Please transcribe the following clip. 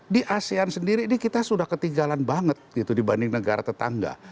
di asean sendiri ini kita sudah ketinggalan banget gitu dibanding negara tetangga